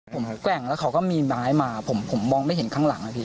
ผมแกว่งแล้วเขาก็มีไม้มาผมมองไม่เห็นข้างหลังนะพี่